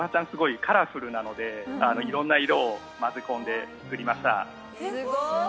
すごいカラフルなので、いろんな色をまぜ込んで作りました。